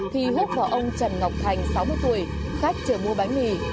thì hút vào ông trần ngọc thành sáu mươi tuổi khách chờ mua bánh mì